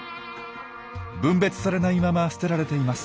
分別されないまま捨てられています。